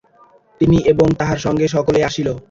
তিনি এবং তাঁহার সঙ্গে সকলেই আসিল।